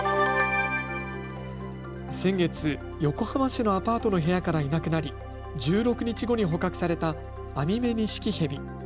先月、横浜市のアパートの部屋からいなくなり１６日後に捕獲されたアミメニシキヘビ。